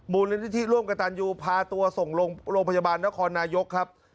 มูลนิธิร่วมกับตันยูพาตัวส่งโรงพยาบาลนครนายกครับ